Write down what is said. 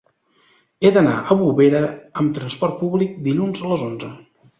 He d'anar a Bovera amb trasport públic dilluns a les onze.